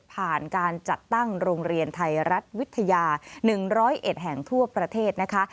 ผ่านการจัดตั้งโรงเรียนไทยรัฐวิทยา๑๐๑แห่งทั่วประเทศนะคะ